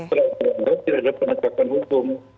terutama juga terhadap penerjakan hukum